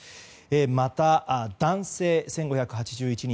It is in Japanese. また、男性は１５８１人。